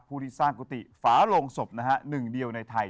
ผู้ที่สร้างกุฏิฝาโลงศพนะฮะหนึ่งเดียวในไทย